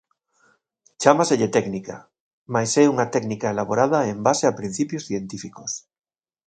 Chámaselle técnica, mais é unha técnica elaborada en base a principios científicos.